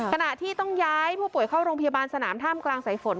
ขณะที่ต้องย้ายผู้ป่วยเข้าโรงพยาบาลสนามท่ามกลางสายฝน